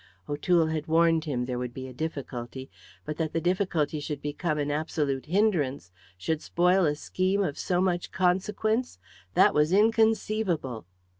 O'Toole had warned him there would be a difficulty; but that the difficulty should become an absolute hindrance, should spoil a scheme of so much consequence, that was inconceivable.